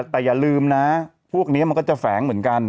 แต่อย่าลืมนะพวกนี้มันก็จะแฝงเหมือนกัน